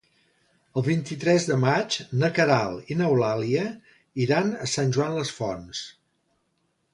El vint-i-tres de maig na Queralt i n'Eulàlia iran a Sant Joan les Fonts.